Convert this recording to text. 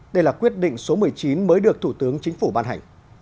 đây là quyết định số một mươi chín mới được thủ tướng chính phủ ban hành